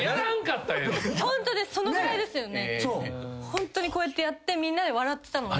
ホントにこうやってやってみんなで笑ってたので。